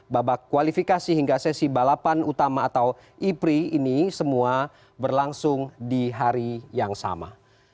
babak kualifikasi hingga sesi balapan utama atau ipri ini semua berlangsung di hari yang sama